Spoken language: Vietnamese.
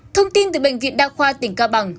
thông tin từ bệnh viện đa khoa tỉnh cao bằng